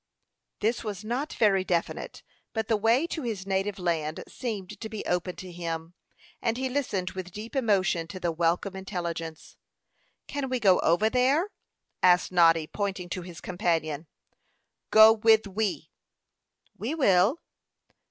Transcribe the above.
This was not very definite; but the way to his native land seemed to be open to him, and he listened with deep emotion to the welcome intelligence. "Can we go over there?" asked Noddy, pointing to his companion. "Go with we." "We will."